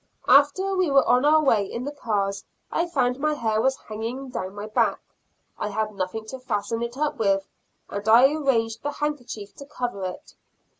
After we were on our way in the cars, I found my hair was hanging down my back; I had nothing to fasten it up with, and I arranged the handkerchief to cover it.